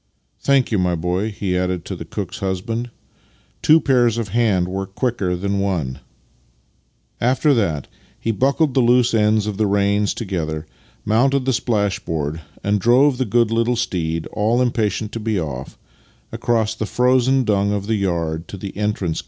" Thank you, my boy," he added to the cook's husband. " Two pairs of hands work quicker than one." After that he buckled the loose ends of the reins together, mounted the splashboard, and drove the good little steed, all impatient to be off, across the frozen dung of the yard to the entrance gates.